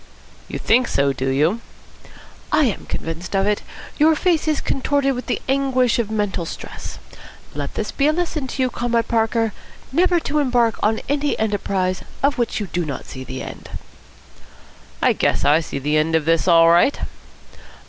'" "You think so, do you?" "I am convinced of it. Your face is contorted with the anguish of mental stress. Let this be a lesson to you, Comrade Parker, never to embark on any enterprise of which you do not see the end." "I guess I see the end of this all right."